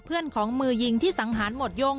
เพื่อนของมือยิงที่สังหารหวดโยง